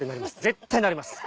絶対なります！